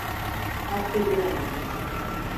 Hapse giremem.